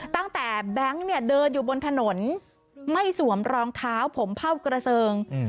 ตั้งแต่แบงค์เดินอยู่บนถนนไม่สวมรองเท้าผมเฝ้ากระเซิง